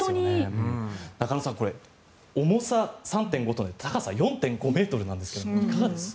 中野さん重さ３．５トンで高さ４．５ｍなんですがいかがです？